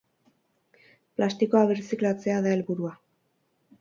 Plastikoa birziklatzea da helburua.